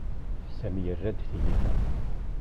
Sami yerra-d tiyita.